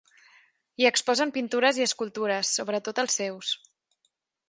Hi exposen pintures i escultures, sobretot els seus.